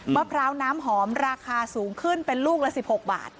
มะพร้าวน้ำหอมราคาสูงขึ้นเป็นลูกละ๑๖บาท